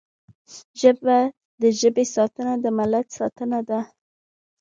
ژبه د ژبې ساتنه د ملت ساتنه ده